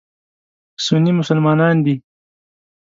سني مسلمانان دي.